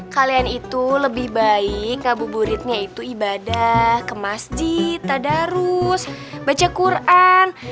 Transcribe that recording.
kalian itu lebih baik ngabuburitnya itu ibadah ke masjid tadarus baca quran